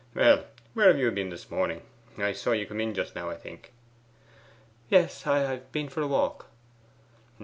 Well, where have you been this morning? I saw you come in just now, I think!' 'Yes; I have been for a walk.